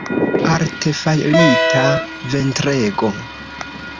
Artefarita ventrego.